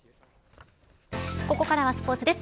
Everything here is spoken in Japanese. ここからスポーツです。